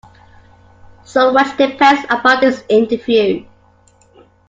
So much depends upon this interview.